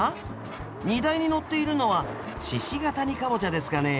荷台に載っているのは鹿ケ谷かぼちゃですかね？